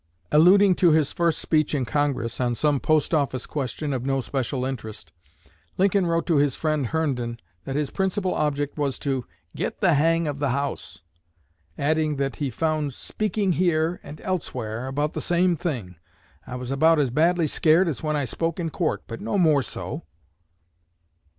Alluding to his first speech in Congress on some post office question of no special interest Lincoln wrote to his friend Herndon that his principal object was to "get the hang of the House"; adding that he "found speaking here and elsewhere about the same thing. I was about as badly scared as when I spoke in court, but no more so."